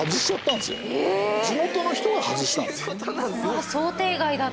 地元の人が外したんです。